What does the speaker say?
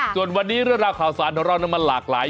ส่วนวันนี้รายละคราวสานให้เราเล่านำมาหลากหลาย